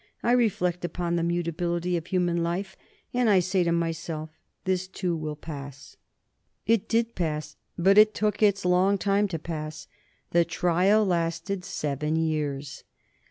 I reflect upon the mutability of human life, and I say to myself, 'This, too, will pass.'" It did pass, but it took its long time to pass. The trial lasted seven years.